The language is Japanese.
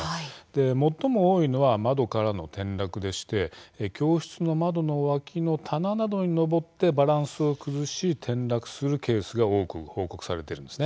最も多いのは窓からの転落でして教室の窓の脇の棚などに上ってバランスを崩して転落するケースが多く報告されているんです。